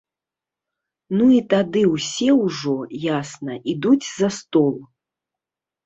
Ну і тады ўсе ўжо, ясна, ідуць за стол.